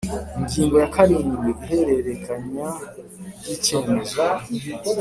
Ingingo ya karindwi Ihererekanya ry icyemezo